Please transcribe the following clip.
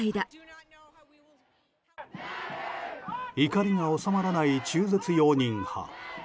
怒りが収まらない中絶容認派。